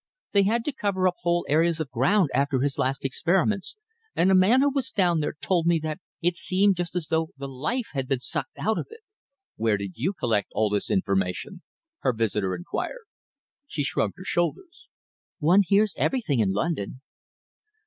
They had to cover up whole acres of ground after his last experiments, and a man who was down there told me that it seemed just as though the life had been sucked out of it." "Where did you collect all this information?" her visitor inquired. She shrugged her shoulders. "One hears everything in London."